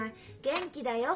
元気だよ。